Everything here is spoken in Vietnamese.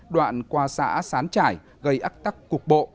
đoạn qua xã sán trải gây ác tắc cuộc bộ